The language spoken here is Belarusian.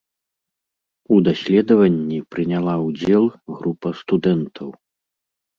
У даследаванні прыняла ўдзел група студэнтаў.